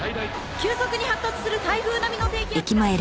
急速に発達する台風並みの低気圧が。